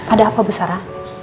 ada apa bu sara